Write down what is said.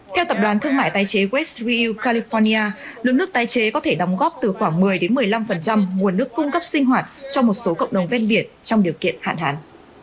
theo tập đoàn thương mại tài chế west rio california lượng nước tài chế có thể đóng góp từ khoảng một mươi một mươi năm nguồn nước cung cấp sinh hoạt cho một số cộng đồng vét biển trong điều kiện hạn hạn